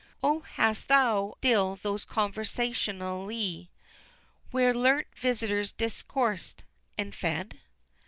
V. Oh, hast thou still those Conversazioni, Where learned visitors discoursed and fed?